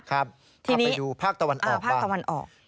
ครับเอาไปดูภาคตะวันออกบ้าง